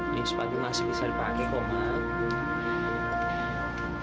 ini sepatu masih bisa dipakai kok mak